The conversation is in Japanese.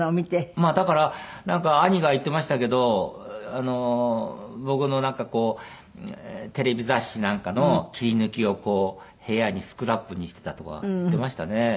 まあだからなんか兄が言ってましたけど僕のなんかこうテレビ雑誌なんかの切り抜きを部屋にスクラップにしてたとか言ってましたね。